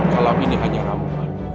kalau ini hanya ramuan